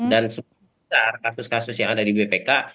dan sebesar kasus kasus yang ada di bpk